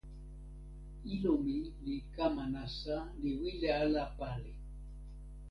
ilo mi li kama nasa li wile ala pali.